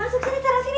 masuk sini cara sini